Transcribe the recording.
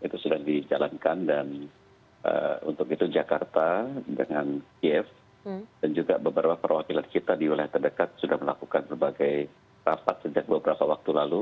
itu sudah dijalankan dan untuk itu jakarta dengan kiev dan juga beberapa perwakilan kita di wilayah terdekat sudah melakukan berbagai rapat sejak beberapa waktu lalu